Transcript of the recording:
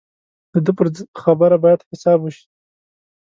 د ده پر خبره باید حساب وشي.